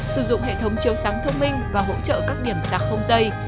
sử dụng hệ thống chiêu sáng thông minh và hỗ trợ các điểm sạc không dây